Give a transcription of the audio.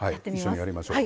一緒にやりましょう。